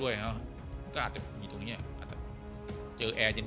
ว่าเขาก็กินเหล้าว่ามันเกินแอลกอฮอล์